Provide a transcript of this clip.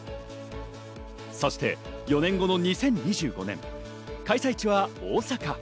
そして４年後の２０２５年、開催地は大阪。